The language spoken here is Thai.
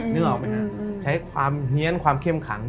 นึกออกไหมฮะใช้ความเฮียนความเข้มขัง